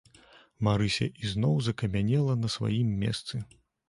Марыся ізноў закамянела на сваім месцы.